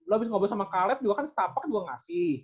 lo abis ngobrol sama kalet juga kan setapak juga ngasih